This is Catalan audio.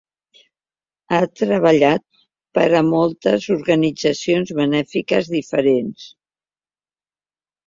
Ha treballat per a moltes organitzacions benèfiques diferents.